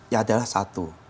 ya adalah satu